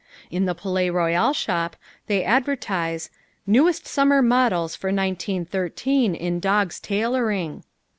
In the Palais Royal shop they advertise, "Newest summer models for 1913 in dogs' tailoring."